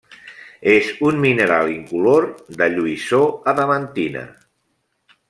És un mineral incolor de lluïssor adamantina.